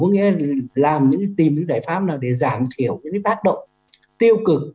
có nghĩa là tìm những giải pháp nào để giảm thiểu những tác động tiêu cực